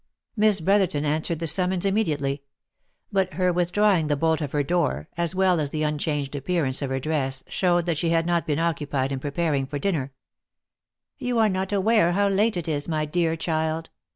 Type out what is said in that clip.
Miss Brotherton answered the summons immediately ; but her with drawing the bolt of her door, as well as the unchanged appearance of her dress, showed that she had not been occupied in preparing for dinner. <l You are not aware how late it is, my dear child.